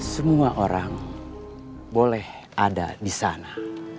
semua orang boleh ada di sana